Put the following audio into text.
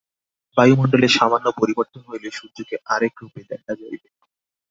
বায়ুমণ্ডলে সামান্য পরিবর্তন হইলে সূর্যকে আর এক রূপে দেখা যাইবে।